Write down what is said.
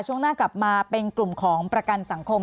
ช่วงหน้ากลับมาเป็นกลุ่มของประกันสังคม